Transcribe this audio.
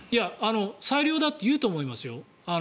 最良だって言うと思いますよ。